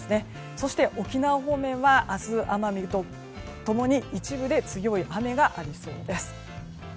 そして、沖縄方面は明日、奄美と共に一部で強い雨がありそうです。